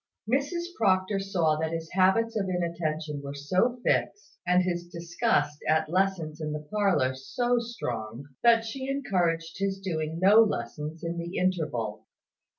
Mrs Proctor saw that his habits of inattention were so fixed, and his disgust at lessons in the parlour so strong, that she encouraged his doing no lessons in the interval.